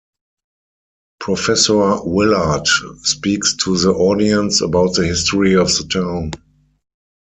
Professor Willard speaks to the audience about the history of the town.